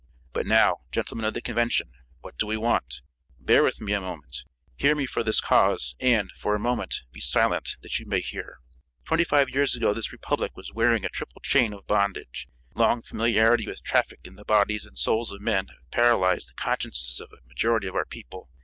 "But now, gentlemen of the convention, what do we want? Bear with me a moment. Hear me for this cause, and, for a moment, be silent that you may hear. Twenty five years ago this Republic was wearing a triple chain of bondage. Long familiarity with traffic in the bodies and souls of men had paralyzed the consciences of a majority of our people.